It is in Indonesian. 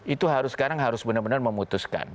itu sekarang harus benar benar memutuskan